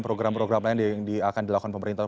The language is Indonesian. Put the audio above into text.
program program lain yang akan dilakukan pemerintah